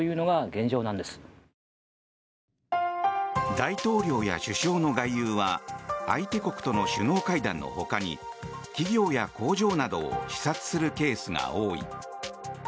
大統領や首相の外遊は相手国との首脳会談のほかに企業や工場などを視察するケースが多い。